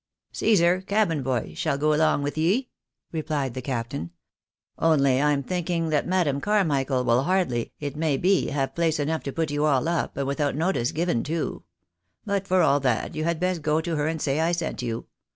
" Csesar, cabin boy, shaU go along with ye," rephed the captain. " Only I'm thinking that Madam Carmichael will hardly, it may be, have place enough to put you all up, and without notice given too. But for all that, you had best go to her and say I sent you.